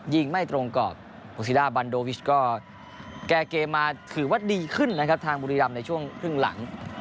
ยิงไม่ตรงกับโอซิด้าบันโดวิชก็แก้เกมมาถือว่าดีขึ้นนะครับทางบุรีรำในช่วงครึ่งหลัง